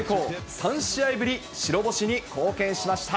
３試合ぶり白星に貢献しました。